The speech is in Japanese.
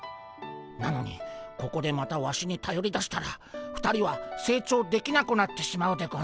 なのにここでまたワシにたよりだしたら２人は成長できなくなってしまうでゴンス。